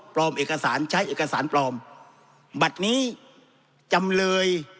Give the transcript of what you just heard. เอกสารใช้เอกสารปลอมบัตรนี้จำเลย